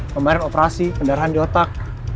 pembayaran operasi pendarahan di otak